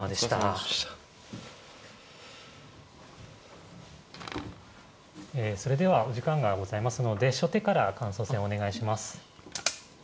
それではお時間がございますので初手から感想戦お願いします。